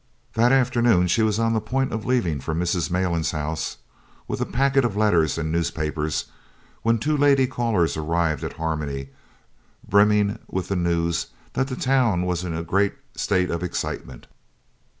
That afternoon she was on the point of leaving for Mrs. Malan's house, with a packet of letters and newspapers, when two lady callers arrived at Harmony brimming with the news that the town was in a great state of excitement.